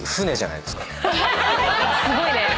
すごいね。